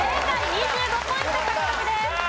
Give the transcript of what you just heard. ２５ポイント獲得です。